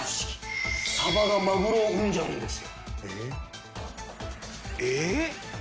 サバがマグロを生んじゃうんですよ。